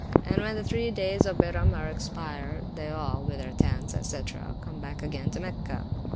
And when the three days of Byram are expired, they all, with their tents, &c., come back again to Mecca.